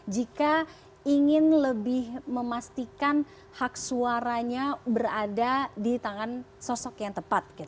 jika ingin lebih memastikan hak suaranya berada di tangan sosok yang tepat